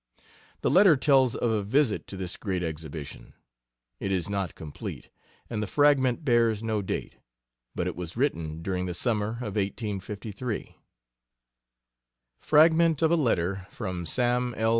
The letter tells of a visit to this great exhibition. It is not complete, and the fragment bears no date, but it was written during the summer of 1853. Fragment of a letter from Sam L.